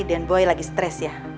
pasti den boy lagi stress ya